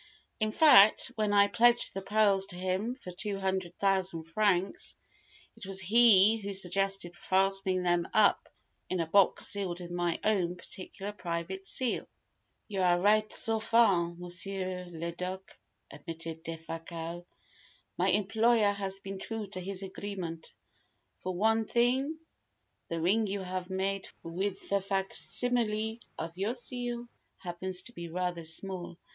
In fact, when I pledged the pearls to him for two hundred thousand francs, it was he who suggested fastening them up in a box sealed with my own particular, private seal." "You are right so far, Monsieur le Duc," admitted Defasquelle. "My employer has been true to his agreement. For one thing, the ring you had made for him with the facsimile of your seal happens to be rather small.